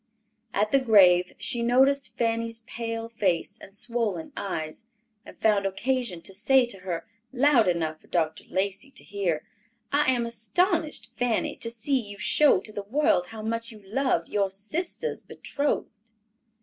At the grave she noticed Fanny's pale face and swollen eyes, and found occasion to say to her, loud enough for Dr. Lacey to hear, "I am astonished, Fanny, to see you show to the world how much you loved your sister's betrothed."